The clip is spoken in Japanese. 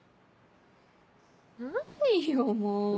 何よもう。